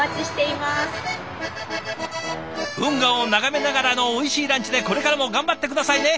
運河を眺めながらのおいしいランチでこれからも頑張って下さいね。